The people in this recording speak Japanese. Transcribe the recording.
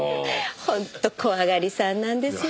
本当怖がりさんなんですね。